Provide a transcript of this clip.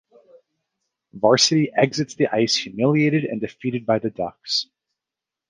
Varsity exits the ice humiliated and defeated by the Ducks.